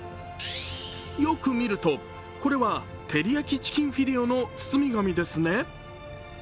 よく見るとこれは、てりやきチキンフィレオの包み紙ですね。